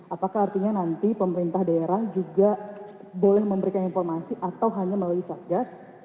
apakah artinya nanti pemerintah daerah juga boleh memberikan informasi atau hanya melalui satgas